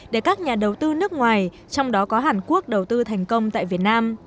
để các nhà đầu tư nước ngoài trong đó có hàn quốc đầu tư thành công tại việt nam